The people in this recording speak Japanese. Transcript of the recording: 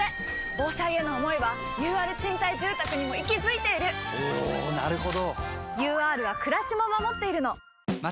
防災への想いはＵＲ賃貸住宅にも息づいているおなるほど！